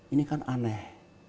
ini kan aneh